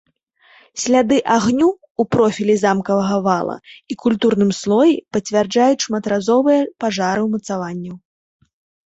Сляды агню ў профілі замкавага вала і культурным слоі пацвярджаюць шматразовыя пажары ўмацаванняў.